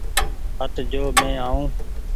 هٽ جو مينٚ آئونٚ